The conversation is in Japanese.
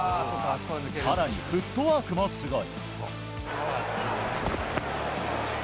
さらに、フットワークもすごい。